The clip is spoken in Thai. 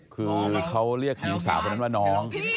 คือเขาเรียกหญิงสาวคนนั้นว่าน้อง